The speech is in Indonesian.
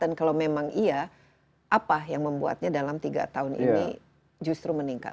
dan kalau memang iya apa yang membuatnya dalam tiga tahun ini justru meningkat